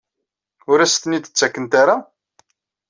Ur as-ten-id-ttakent ara?